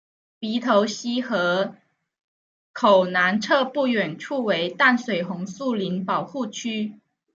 鼻头溪河口南侧不远处为淡水红树林保护区。